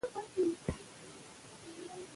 او بيا يې پۀ سترګو کړې وې سمه ده ـ